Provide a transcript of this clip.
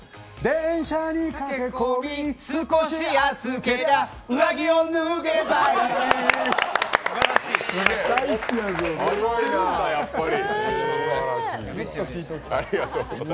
電車に駆け込み、少し暑けりゃ上着を脱げばいいいるんだ、やっぱり。